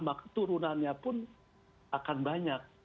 maka turunannya pun akan banyak